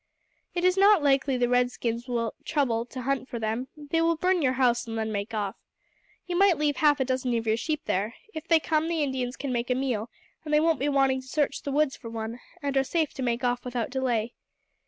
It is not likely the red skins will trouble to hunt for them; they will burn your house and then make off. You might leave half a dozen of your sheep here. If they come, the Indians can make a meal, and they won't be wanting to search the woods for one, and are safe to make off without delay.